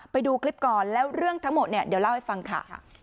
ไปดูคลิปก่อนแล้วเรื่องทั้งหมดเนี่ยเดี๋ยวเล่าให้ฟังค่ะ